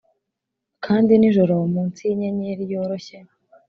kandi nijoro munsi yinyenyeri yoroshye